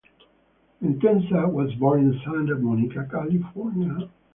Entenza was born in Santa Monica, California.